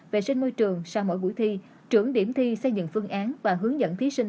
vệ sinh môi trường sau mỗi buổi thi trưởng điểm thi xây dựng phương án và hướng dẫn thí sinh